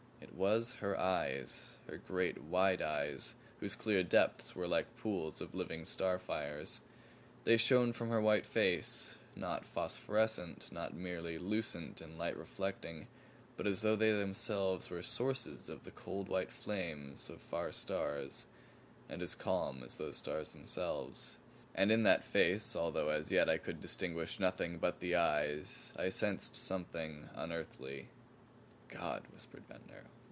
It was her eyes her great, wide eyes whose clear depths were like pools of living star fires. They shone from her white face not phosphorescent, not merely lucent and light reflecting, but as though they themselves were SOURCES of the cold white flames of far stars and as calm as those stars themselves. And in that face, although as yet I could distinguish nothing but the eyes, I sensed something unearthly. "God!" whispered Ventnor.